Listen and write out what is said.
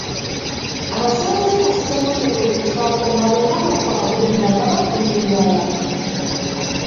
Abasaabaze kasita emmotoka ekufaako nga bonna bakwabulira nga bafuna endala.